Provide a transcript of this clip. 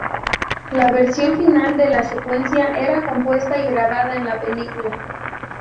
La versión final de la secuencia era compuesta y grabada en la película.